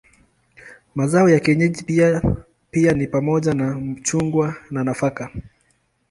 Mazao ya kienyeji ni pamoja na machungwa na nafaka.